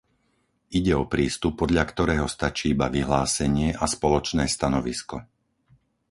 Ide o prístup, podľa ktorého stačí iba vyhlásenie a spoločné stanovisko.